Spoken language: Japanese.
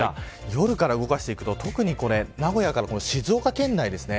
夜から動かしていくと特に、名古屋から静岡県内です。